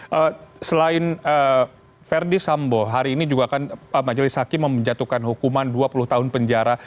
ya selain verdi sambo hari ini juga kan majelis hakim menjatuhkan hukuman dua puluh tahun penjara